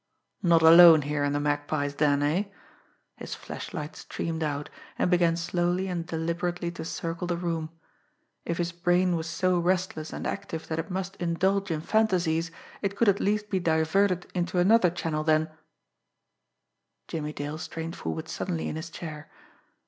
Not alone here in the Magpie's den eh? His flashlight streamed out, and began slowly and deliberately to circle the room. If his brain was so restless and active that it must indulge in fantasies, it could at least be diverted into another channel than Jimmie Dale strained forward suddenly in his chair.